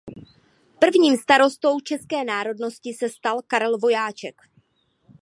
Prvním starostou české národnosti se stal Karel Vojáček.